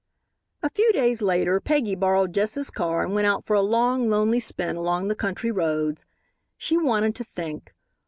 A few days later Peggy borrowed Jess's car and went out for a long, lonely spin along the country roads. She wanted to think.